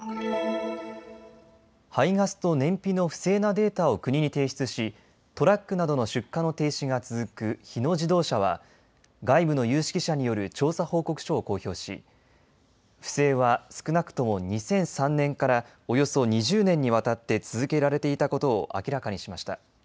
排ガスと燃費の不正なデータを国に提出しトラックなどの出荷の停止が続く日野自動車は外部の有識者による調査報告書を公表し不正は少なくとも２００３年からおよそ２０年にわたって続けられていたことを明らかにしました。